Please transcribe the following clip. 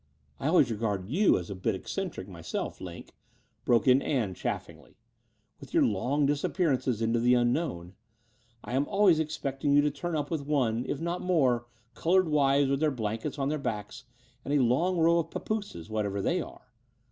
"I always regard you as a bit eccentric myself. Line," broke in Ann chaffingly, "with your long disappearances into the tmknown. I am always expecting you to turn up with one, if not more coloured wives with their blankets on their backs and a long row of papooses, whatever they are.